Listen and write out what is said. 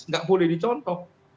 tidak boleh dicontoh